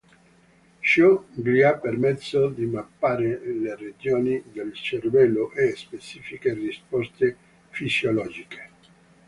Ciò gli ha permesso di mappare le regioni del cervello a specifiche risposte fisiologiche.